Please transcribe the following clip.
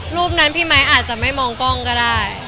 รูปนั้นพี่ไมค์อาจจะไม่มองกล้องก็ได้